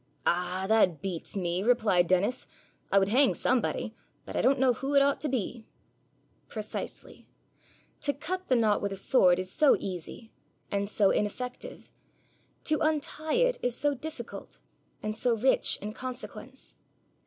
'Ah, that beats me!' replied Dennis. 'I would hang somebody, but I don't know who it ought to be!' Precisely! To cut the knot with a sword is so easy and so ineffective; to untie it is so difficult and so rich in consequence.